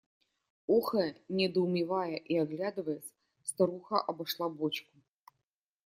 Охая, недоумевая и оглядываясь, старуха обошла бочку.